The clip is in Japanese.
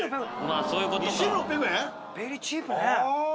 ベリーチープね。